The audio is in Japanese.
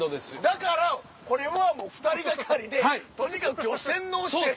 だからこれはもう２人がかりでとにかく今日は洗脳して。